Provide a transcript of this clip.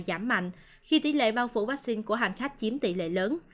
giảm mạnh khi tỷ lệ bao phủ vaccine của hành khách chiếm tỷ lệ lớn